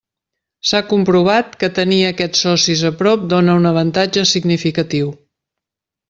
S'ha comprovat que tenir aquests socis a prop dóna un avantatge significatiu.